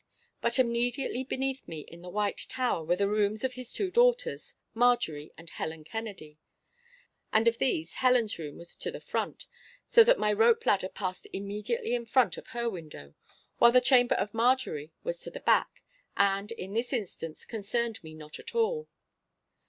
But immediately beneath me, in the White Tower, were the rooms of his two daughters, Marjorie and Helen Kennedy; and of these Helen's room was to the front, so that my rope ladder passed immediately in front of her window, while the chamber of Marjorie was to the back, and, in this instance, concerned me not at all.